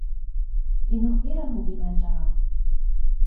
لنخبره بما جرى.